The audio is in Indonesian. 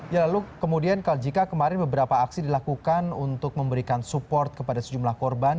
ya lalu kemudian jika kemarin beberapa aksi dilakukan untuk memberikan support kepada sejumlah korban